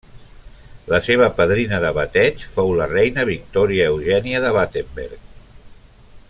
La seva padrina de bateig fou la reina Victòria Eugènia de Battenberg.